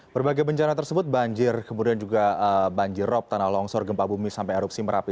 berbagai bencana tersebut banjir kemudian juga banjirop tanah longsor gempa bumi sampai erupsi merapi